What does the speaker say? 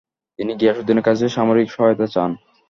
তিনি গিয়াসউদ্দিনের কাছে সামরিক সহায়তা চান।